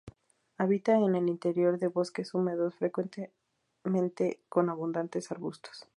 Habita en el interior de bosques húmedos, frecuentemente con abundantes arbustos.